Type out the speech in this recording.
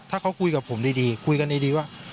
ถ้าเขาคุยกับผมดีคุยกันดีว่า